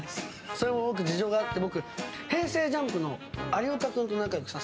それも事情があって。